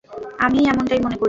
আমিও এমনটাই মনে করি।